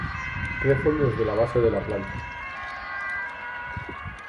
Crecen desde la base de la planta.